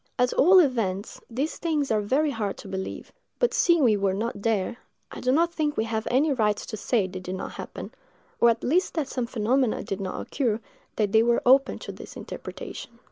At all events, these things are very hard to believe; but seeing we were not there, I do not think we have any right to say they did not happen; or at least that some phenomena did not occur, that were open to this interpretation.